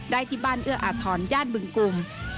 ได้ที่บ้านเอื้ออาธรณ์ย่านบึงกุม